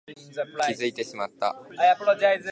気づいてしまった